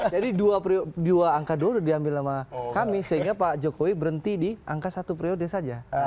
jadi dua angka dulu diambil sama kami sehingga pak jokowi berhenti di angka satu periode saja